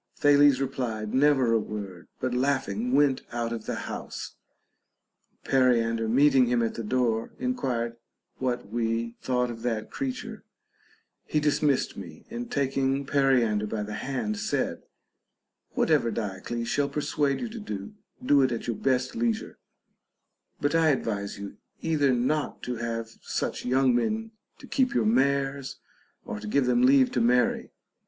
Thales replied never a word, but laughing went THE BANQUET OF THE SEVEN WISE MEN. H out of the house. Periander, meeting him at the door, enquired what we thought of that creature ; he dismissed me, and taking Periander by the hand, said, Whatsoever Diocles shall persuade you to do, do it at your best leisure ; but I advise you either not to have such young men to keep your mares, or to give them leave to marry.